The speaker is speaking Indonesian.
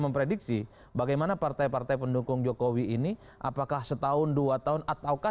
memprediksi bagaimana partai partai pendukung jokowi ini apakah setahun dua tahun ataukah